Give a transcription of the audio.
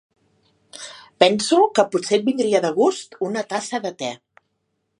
Penso que potser et vindria de gust una tassa de te.